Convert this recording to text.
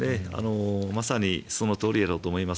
まさにそのとおりだと思います。